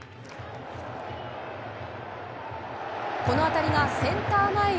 この当たりがセンター前へ。